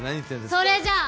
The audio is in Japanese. それじゃあ！